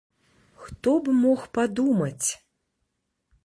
Хто б мог падумаць!